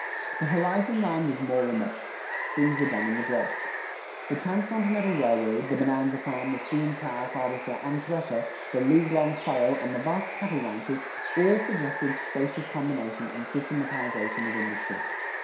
The horizon line was more remote. Things were done in the gross. The transcontinental railroad, the bonanza farm, the steam plow, harvester, and thresher, the "league long furrow," and the vast cattle ranches, all suggested spacious combination and systematization of industry.